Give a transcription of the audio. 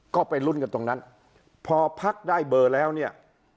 ก็ไปลุ้นกันตรงนั้นพอพักได้เบอร์แล้วเนี่ย